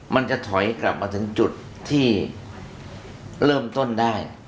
มันจะถอยกลับมาถึงจุดที่เริ่มต้นได้